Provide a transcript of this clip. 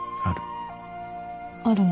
ある。